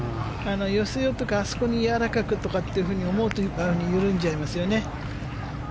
寄せようとかあそこにやわらかくとかって思うと緩んじゃいますよね。